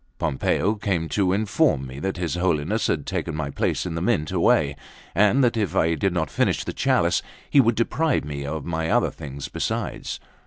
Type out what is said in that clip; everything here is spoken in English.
Pompeo came to inform me that his Holiness had taken my place in the Mint away, and that if I did not finish the chalice, he would deprive me of other things besides.